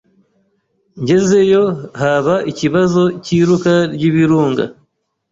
ngezeyo haba ikibazo cy’iruka ry’Ibirunga,